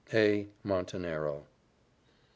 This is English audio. "A. MONTENERO."